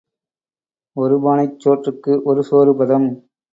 ஒரு பானைச் சோற்றுக்கு ஒரு சோறு பதம்.